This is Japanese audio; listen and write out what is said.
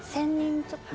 ちょっと。